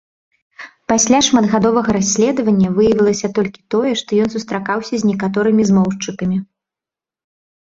Пасля шматгадовага расследавання выявілася толькі тое, што ён сустракаўся з некаторымі змоўшчыкамі.